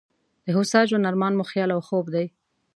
د هوسا ژوند ارمان مو خیال او خوب دی.